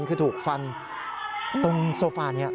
คือถูกฟันตรงโซฟานี้